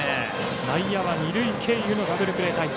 内野は二塁経由のダブルプレー態勢。